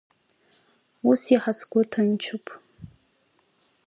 Ус иаҳа сгәы ҭынчуп.